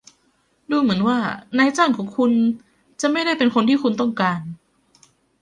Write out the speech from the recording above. ดูเหมือนว่านายจ้างของคุณจะไม่ได้เป็นคนที่คุณต้องการ